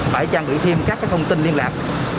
phải trang bị thêm các thông tin liên lạc